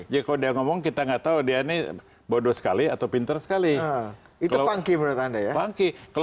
jokowi dan sandi